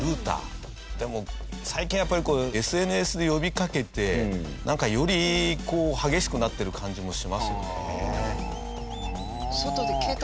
でも最近はＳＮＳで呼びかけてなんかよりこう激しくなってる感じもしますよね。